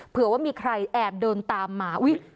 เผื่อว่ามีใครแอบเดินตามมา